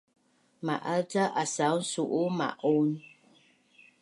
Ma’az ca asaun su’u ma’un?